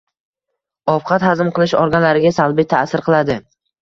Ovqat hazm qilish organlariga salbiy taʼsir qiladi.